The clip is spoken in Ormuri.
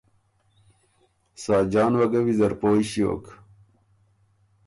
ساجان وه ګه ویزر پویٛ ݭیوک